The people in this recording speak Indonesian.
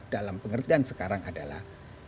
dalam pengertian sekarang adalah